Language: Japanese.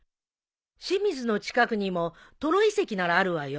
清水の近くにも登呂遺跡ならあるわよ。